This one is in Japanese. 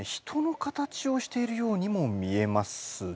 人の形をしているようにも見えます。